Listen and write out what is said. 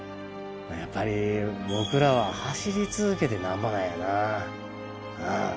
やっぱり僕らは走り続けてなんぼなんやな。